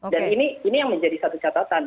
dan ini ini yang menjadi satu catatan